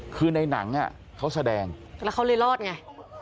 คือในหนังเขาแสดงแล้วเขาเลยรอดไง